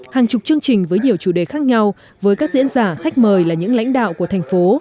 hàng chục chương trình với nhiều chủ đề khác nhau với các diễn giả khách mời là những lãnh đạo của thành phố